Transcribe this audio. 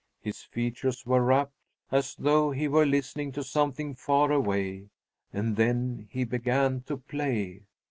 His features were rapt, as though he were listening to something far away; and then he began to play.